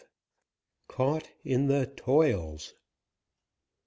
CAUGHT IN THE TOILS.